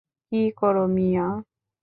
কী করো মিঞা!